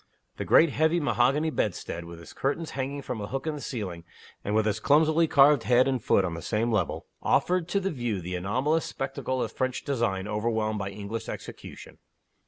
The great heavy mahogany bedstead, with its curtains hanging from a hook in the ceiling, and with its clumsily carved head and foot on the same level, offered to the view the anomalous spectacle of French design overwhelmed by English execution.